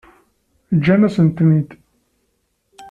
Ǧǧant-asen-tent-id.